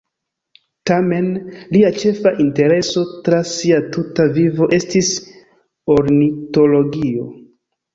Tamen, lia ĉefa intereso tra sia tuta vivo estis ornitologio.